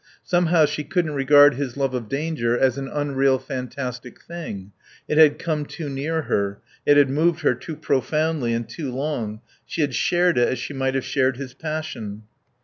Somehow she couldn't regard his love of danger as an unreal, fantastic thing. It had come too near her; it had moved her too profoundly and too long; she had shared it as she might have shared his passion.